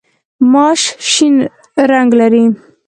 ماش شین رنګ لري.